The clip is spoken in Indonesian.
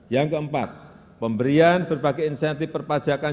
yang keempat pemberian berbagai insentif perpajakan